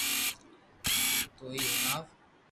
تو ھي ھڻاو